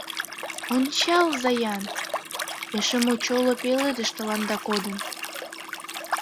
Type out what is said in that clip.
— Ончалза-ян, эше мочоло пеледыш тыланда кодын.